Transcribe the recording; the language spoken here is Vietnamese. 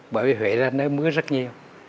bởi vì huế ra nơi mưa rất nhiều